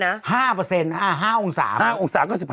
๕องศาก็๑๕